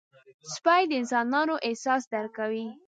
سپي د انسانانو احساس درک کوي.